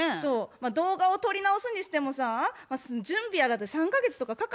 まあ動画を撮り直すにしてもさ準備やらで３か月とかかかるやんか。